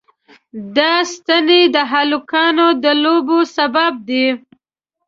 دا ستنې د هلکانو د لوبو سبب دي.